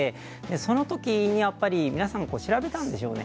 その時、やっぱり皆さんが調べたんでしょうね。